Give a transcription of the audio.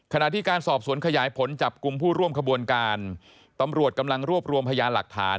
ขณะที่การสอบสวนขยายผลจับกลุ่มผู้ร่วมขบวนการตำรวจกำลังรวบรวมพยานหลักฐาน